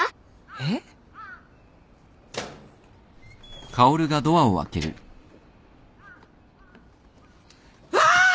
えっ？わっ！